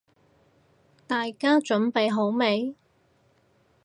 大家準備好未？